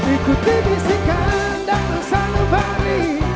ikuti bisikan dan bersalubari